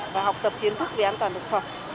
và học tập kiến thức về an toàn thực phẩm